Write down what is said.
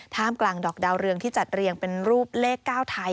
มกลางดอกดาวเรืองที่จัดเรียงเป็นรูปเลข๙ไทย